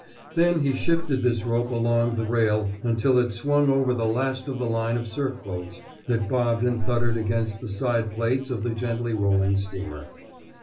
Then he shifted this rope along the rail until it swung over the last of the line of surf boats that bobbed and thudded against the side plates of the gently rolling steamer.